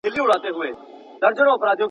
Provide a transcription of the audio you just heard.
کېدای سي پلان غلط وي،